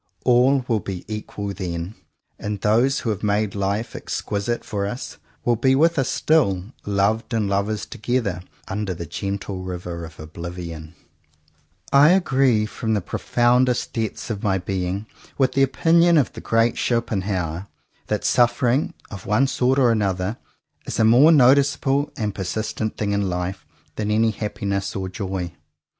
All will be equal then: and those who have made life ex quisite for us will be with us still, loved and lovers together, under the gentle river of oblivion. 97 CONFESSIONS OF TWO BROTHERS I agree, from the profoundest depths of my being, with the opinion of the great Schopenhauer, that suffering, of one sort or another, is a more noticeable and per sistent thing in Hfe than any happiness or joy.